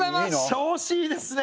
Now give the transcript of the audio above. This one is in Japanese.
調子いいですね。